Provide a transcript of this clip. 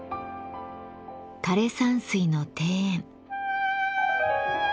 枯山水の庭園。